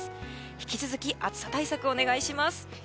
引き続き暑さ対策をお願いします。